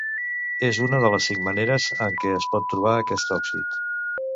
És una de les cinc maneres en què es pot trobar aquest òxid.